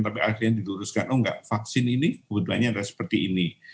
tapi akhirnya dituruskan oh enggak vaksin ini kebutuhannya ada seperti ini